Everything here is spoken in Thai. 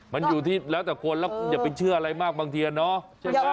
มันอยู่ที่แล้วแต่คนแล้วอย่าไปเชื่ออะไรมากบางทีเนาะใช่ไหม